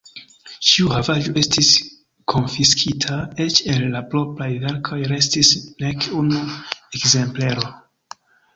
Ĉiu havaĵo estis konfiskita, eĉ el la propraj verkoj restis nek unu ekzemplero.